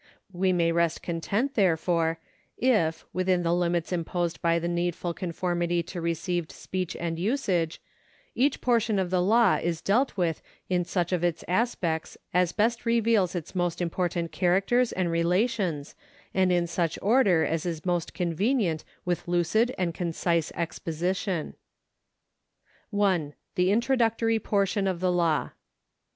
We may rest content, there fore, if, within the hmits imposed by the needful conformity to received speech and usage, each portion of the law is dealt with in such of its aspects as best reveals its most important characters and relations, and in such order as is most consistent with lucid and concise exposition. 1 . The Introductory Portion of the Law.